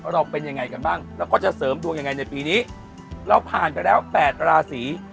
เราเป็นยังไงกันบ้างแล้วก็จะเสริมดวงยังไงในปีนี้เราผ่านไปแล้ว๘ราศี